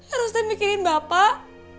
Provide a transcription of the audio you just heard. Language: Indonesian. eros tak mikirin bapak